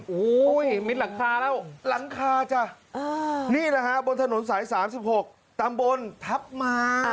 โอ้โหมิดหลังคาแล้วหลังคาจ้ะนี่แหละฮะบนถนนสาย๓๖ตำบลทัพมา